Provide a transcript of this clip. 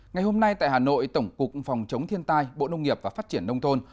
ngày hôm nay tại hà nội tổng cục phòng chống thiên tai bộ nông nghiệp và phát triển nông thôn